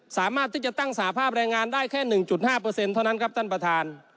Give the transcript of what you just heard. สามารถที่จะตั้งสภาพแรงงานได้แค่๑๕เท่านั้นครับท่านประธาน